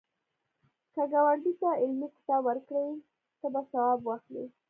که ګاونډي ته علمي کتاب ورکړې، ته به ثواب واخلی